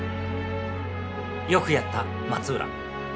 よくやった松浦。